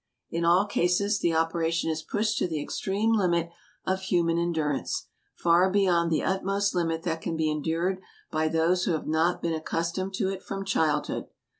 In all cases the operation is pushed to the ex treme limit of human endurance — far beyond the utmost limit that can be endured by those who have not been ac customed to it from childhood.